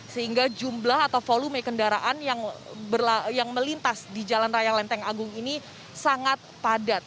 sehingga jumlah atau volume kendaraan yang melintas di jalan raya lenteng agung ini sangat padat